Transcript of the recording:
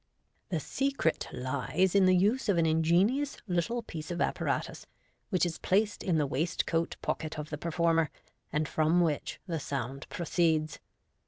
The secret lies in the use of an ingenious little piece of appa ratus, which is placed in the waistcoat pocket of the performer, and from which the sound proceeds.